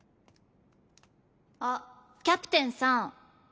あっキャプテンさん。